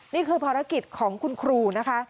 นี่คือภารกิจของคุณครูนะคะ